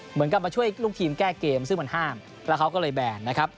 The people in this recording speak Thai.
เหมือนกับมาช่วยลูกทีมแก้เกมซึ่งมันห้ามแล้วเขาก็เลยแบนนะครับ